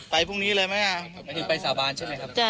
ไปพรุ่งนี้เลยไหมอ่ะไปสาบานใช่ไหมครับจ้ะ